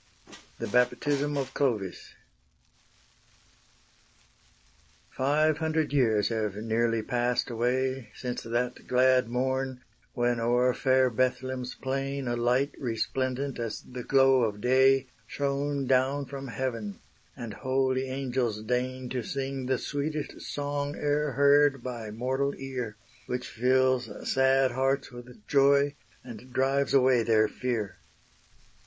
THE BAPTISM OF CLOVIS Five hundred years have nearly passed away Since that glad morn, when o'er fair Bethl'hem's plain A light resplendent as the glow of day, Shone down from heaven, and holy angels deign To sing the sweetest song e'er heard by mortal ear, Which fills sad hearts with joy and drives away their fear.